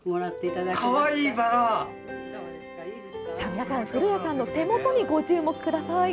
皆さん古谷さんの手元に注目してください！